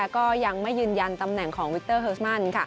ก็ยังไม่ยืนยันตำแหน่งของวิกเตอร์เลิสมัน